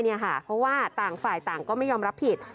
เพราะว่าต่างฝ่ายต่างก็ไม่ยอมรับผิด